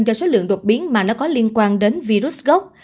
do số lượng đột biến mà nó có liên quan đến virus gốc